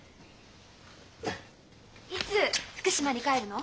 いつ福島に帰るの？